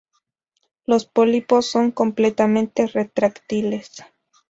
Los pólipos son completamente retráctiles.